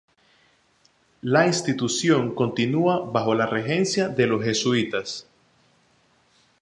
La institución continúa bajo la regencia de los Jesuitas.